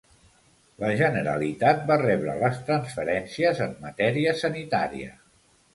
La Generalitat va rebre les transferències en matèria sanitària.